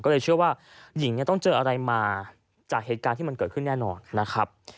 ก็เลยเชื่อว่าหญิงเนี่ยต้องเจออะไรมาจากเหตุการณ์ที่มันเกิดขึ้นแน่นอนนะครับ